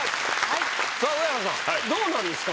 さあ上原さんどうなんですか？